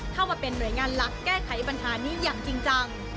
เข้ามาเป็นหน่วยงานหลักแก้ไขปัญหานี้อย่างจริงจัง